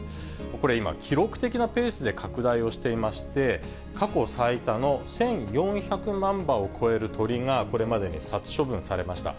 これ、今、記録的なペースで拡大をしていまして、過去最多の１４００万羽を超える鳥がこれまでに殺処分されました。